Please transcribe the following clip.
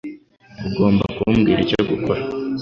Ugomba kumbwira icyo gukora